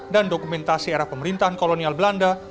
dan dokumentasi era pemerintahan kolonial belanda